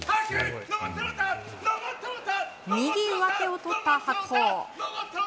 右上手を取った白鵬。